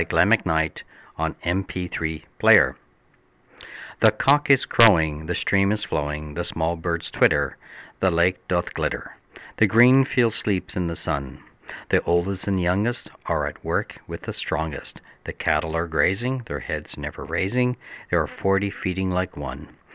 William Wordsworth Written in March THE cock is crowing, The stream is flowing, The small birds twitter, The lake doth glitter The green field sleeps in the sun; The oldest and youngest Are at work with the strongest; The cattle are grazing, Their heads never raising; There are forty feeding like one!